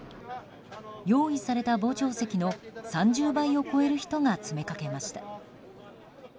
用意された傍聴席の３０倍を超える人が詰めかけました。